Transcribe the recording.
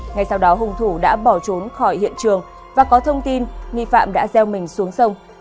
ngay sau đó hùng thủ đã bỏ trốn khỏi hiện trường và có thông tin nghi phạm đã gieo mình xuống sông